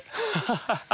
ハハハ。